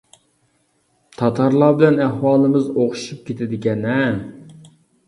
تاتارلار بىلەن ئەھۋالىمىز ئوخشىشىپ كېتىدىكەن ھە! ؟!؟!؟!